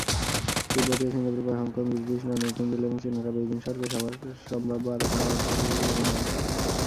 তিব্বতীরা Singapore বা Hong Kong, ব্রিটিশরা নতুন দিল্লি এবং চীনারা বেইজিং শহরকে সভার সম্ভাব্য আলোচনা স্থল হিসেবে মনোনয়ন করেন।